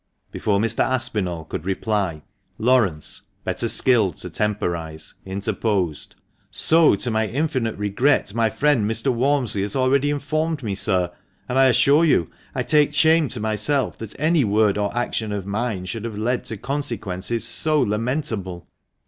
Before Mr. Aspinall could reply, Laurence, better skilled to temporise, interposed. "So, to my infinite regret, my friend Mr. Walmsley has already informed me, sir. And I assure you, I take shame to myself that any word or action of mine should have led to consequences so lamentable.